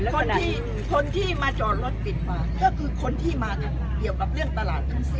คนที่คนที่มาจอดรถปิดปากก็คือคนที่มาเกี่ยวกับเรื่องตลาดทั้ง๔